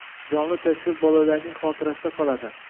jonli tasvir bolalarning xotirasida qoladi